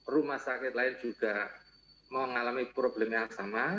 rumah sakit lain juga mengalami problem yang sama